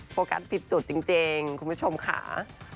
โฟกัสผิดจุดจริงคุณผู้ชมค่ะ